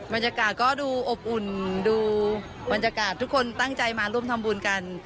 บรรยากาศก็ดูอบอุ่นดูบรรยากาศทุกคนตั้งใจมาร่วมทำบุญกัน